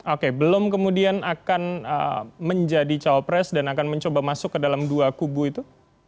oke belum kemudian akan menjadi cawapres dan akan mencoba masuk ke dalam dua kubu itu